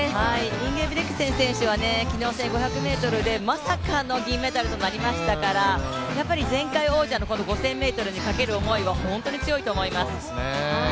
インゲブリクセン選手は昨日１５００ｍでまさかの銀メダルとなりましたからやっぱり前回王者の５０００ｍにかける思いは本当に強いと思います。